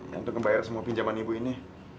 nanti ngebayar semua pinjaman ibu ini